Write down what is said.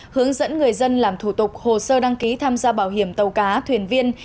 hướng dẫn người dân làm thủ tục hồ sơ đăng ký tham gia bảo hiểm tàu cá thuyền viên